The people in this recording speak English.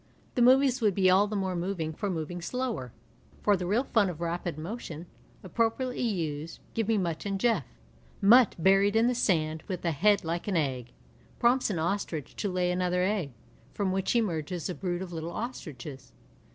The movies would be all the more moving for moving slower. For the real fun of rapid motion, appropriately used, give me Mutt and Jeff. Mutt, buried in the sand, with a head like an egg, prompts an ostrich to lay another egg, from which emerges a brood of little ostriches.